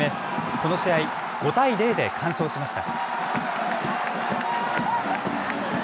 この試合５対０で完勝しました。